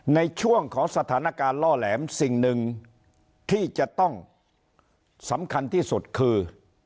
ในช่วงของสถานการณ์ล่อแหลมสิ่งหนึ่งที่จะต้องสำคัญที่สุดคือ